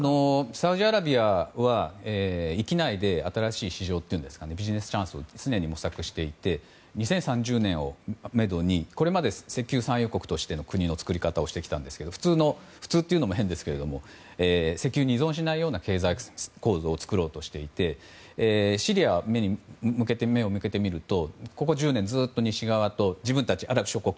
サウジアラビアは域内で新しい市場というかビジネスチャンスを常に模索していて２０３０年をめどにこれまで石油産油国としての国の作り方をしてきたんですが普通というのも変ですが石油に依存しないような経済構造を作ろうとしていてシリアに目を向けてみるとここ１０年ずっと西側と自分たちアラブ諸国